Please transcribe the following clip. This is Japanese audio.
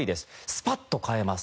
スパッと代えます。